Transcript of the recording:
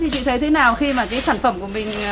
chị thấy thế nào khi mà cái sản phẩm của mình